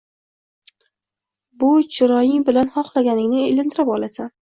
Bu chiroying bilan xohlaganingni ilintirib olasan